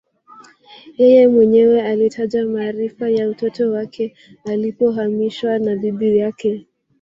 Yeye mwenyewe alitaja maarifa ya utoto wake alipohamasishwa na bibi yake